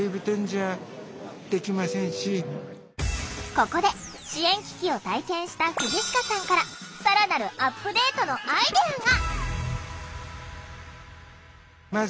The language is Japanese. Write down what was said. ここで支援機器を体験した藤鹿さんから更なるアップデートのアイデアが！